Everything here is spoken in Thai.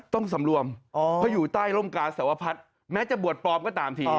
ต้องสำรวมเพราะอยู่ใต้ร่มกาสวพัฒน์แม้จะบวชปลอมก็ตามที